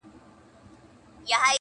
بوډا کیسې په دې قلا کي د وختونو کوي،